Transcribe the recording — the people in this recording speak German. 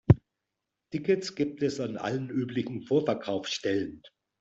Tickets gibt es an allen üblichen Vorverkaufsstellen.